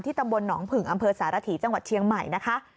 ตำบลหนองผึ่งอำเภอสารฐีจังหวัดเชียงใหม่นะคะ